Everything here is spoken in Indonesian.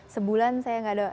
sebulan saya gak pernah jauh